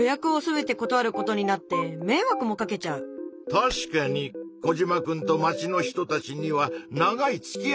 確かにコジマくんと町の人たちには長いつきあいがある。